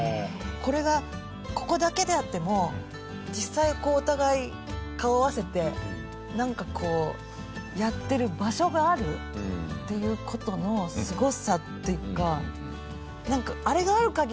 これがここだけであっても実際こうお互い顔合わせてなんかこうやってる場所があるっていう事のすごさっていうか。